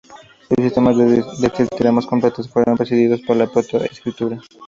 Los sistemas de escritura más completos fueron precedidos por la proto-escritura.